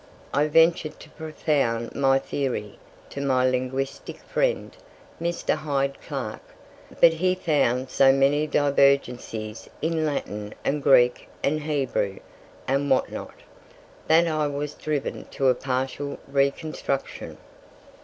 I ventured to propound my theory to my linguistic friend, Mr. Hyde Clarke; but he found so many divergencies in Latin and Greek and Hebrew, and what not, that I was driven to a partial reconstruction.